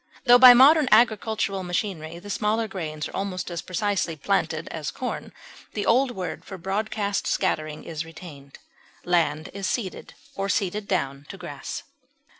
Tho by modern agricultural machinery the smaller grains are almost as precisely planted as corn, the old word for broadcast scattering is retained. Land is seeded or seeded down to grass.